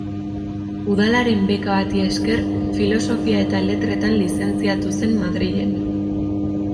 Udalaren beka bati esker Filosofia eta Letretan lizentziatu zen Madrilen.